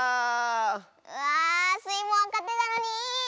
うわスイもわかってたのに！